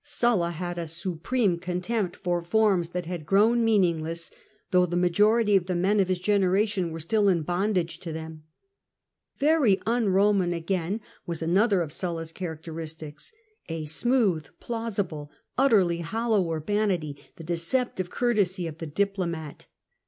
Sulla had a supreme contempt for forms that had grown meaningless, though the majority of the men of his generation were still in bondage to them. Very un Roman, again, was another of Sulla's character istics — a smooth, plausible, utterly hollow urbanity, the deceptive courtesy of the diplomat.